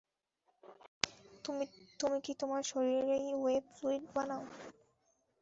তুমি কি তোমার শরীরেই ওয়েব ফ্লুয়িড বানাও?